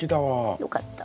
よかった。